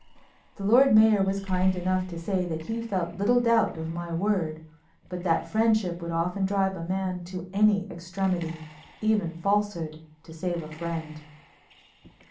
The lord mayor was kind enough to say that he felt little doubt of my word, but that friendship would often drive a man to any extremity, even falsehood, to save a friend.